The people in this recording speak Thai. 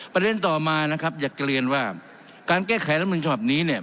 ประเด็นต่อมานะครับอยากเรียนว่าการแก้ไขรัฐมนุนฉบับนี้เนี่ย